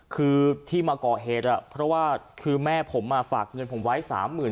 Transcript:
คือที่มาก่อเหตุเพราะว่าคือแม่ผมฝากเงินผมไว้๓๐๐๐